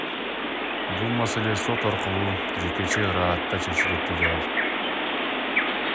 Бул маселе сот аркылуу жекече ыраатта чечилет, — деди ал.